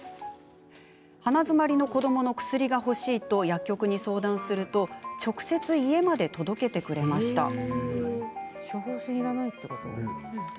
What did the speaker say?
鼻詰まりの子どもの薬が欲しいと薬局に相談すると直接家まで届けてくれました。